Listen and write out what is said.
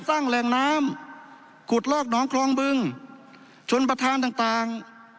สร้างแหล่งน้ำขุดลอกน้องคลองบึงชนประธานต่างต่าง